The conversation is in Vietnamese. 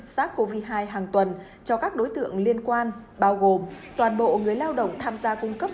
sars cov hai hàng tuần cho các đối tượng liên quan bao gồm toàn bộ người lao động tham gia cung cấp